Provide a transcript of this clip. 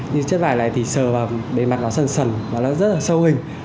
như chất vải này thì sờ vào bề mặt nó sần sần và nó rất là sâu hình